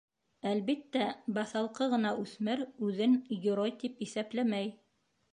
Әлбиттә, баҫалҡы ғына үҫмер үҙен герой тип иҫәпләмәй.